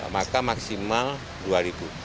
maka maksimal rp dua